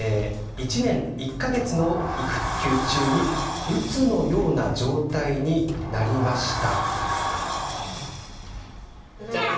１年１か月の育休中に、うつのような状態になりました。